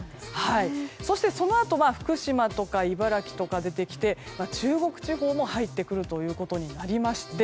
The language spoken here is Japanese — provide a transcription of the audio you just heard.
そして、そのあと福島とか茨城とか出てきて中国地方も入ってくることになりまして。